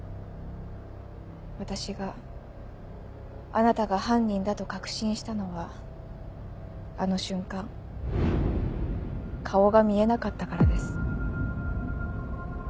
私があなたが犯人だと確信したのはあの瞬間顔が見えなかったからです。